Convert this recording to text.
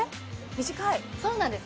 短いそうなんです